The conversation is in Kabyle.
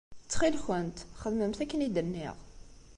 Ttxil-kent, xedmemt akken i d-nniɣ.